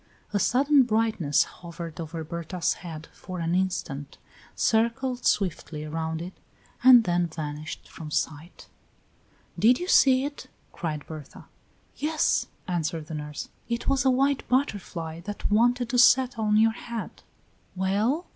A sudden brightness hovered over Berta's head for an instant, circled swiftly around it, and then vanished from sight. "Did you see it?" cried Berta. "Yes," answered the nurse, "it was a white butterfly that wanted to settle on your head." "Well?"